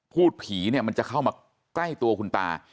พูดผีเนี่ยมันจะเข้ามาใกล้ตัวคุณตา